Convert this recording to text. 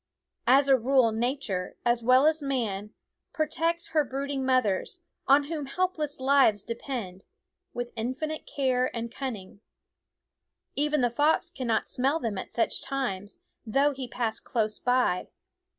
As a rule Nature, as well as man, protects her brooding mothers, on whom helpless lives depend, with infinite care and cunning. Even THE WOODS the fox cannot smell them at such times, though he pass close by.